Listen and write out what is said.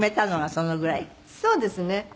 そうですね。